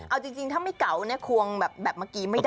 เอาจริงถ้าไม่เก๋าเนี่ยควงแบบเมื่อกี้ไม่ได้